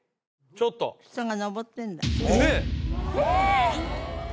ちょっと人が登ってんだええ！